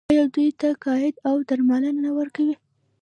آیا دوی ته تقاعد او درملنه نه ورکوي؟